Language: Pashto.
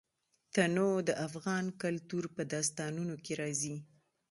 تنوع د افغان کلتور په داستانونو کې راځي.